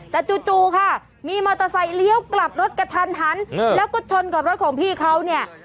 แต่จู่ค่ะมีมอเตอร์ไซค์เลี้ยวกลับรถกระทันหันแล้วก็ชนกับรถของพี่เขาเนี่ย